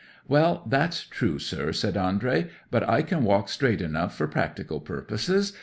'"Well, that's true, sir," says Andrey. "But I can walk straight enough for practical purposes.